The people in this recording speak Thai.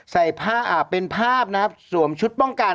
ใส่ผ้าอาบเป็นภาพนะครับสวมชุดป้องกัน